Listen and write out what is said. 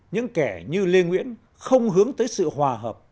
những kẻ như lê nguyễn không hướng tới sự hòa hợp